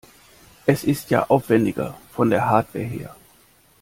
Es ist ja aufwendiger von der Hardware her.